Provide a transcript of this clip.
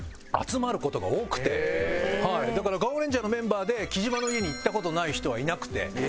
だから『ガオレンジャー』のメンバーで木島の家に行った事ない人はいなくて。